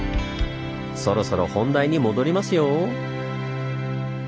そろそろ本題に戻りますよ！